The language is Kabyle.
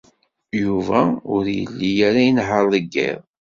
Yuba ur yelli ara inehheṛ deg yiḍ.